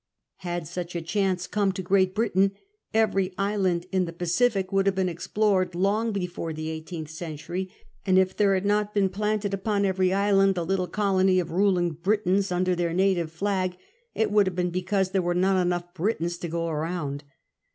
Had such a chance come to Great Britain, every islsind in the Pacific would have been explored long before the eighteenth century; and if there had not beer planted upon every island a little colony of ruling Britons under their native flag, it would have been because there were not enough Britons to go round.